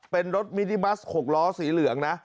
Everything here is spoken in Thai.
เป็นรถมินิบัส๖ล้อสีเหลืองนะ